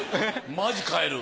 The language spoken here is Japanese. マジ買える。